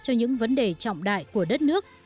cho những vấn đề trọng đại của đất nước